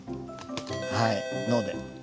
はい「ので」。